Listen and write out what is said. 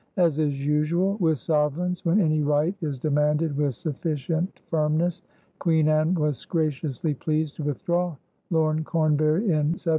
As is usual with sovereigns when any right is demanded with sufficient firmness, Queen Anne was graciously pleased to withdraw Lord Cornbury in 1708.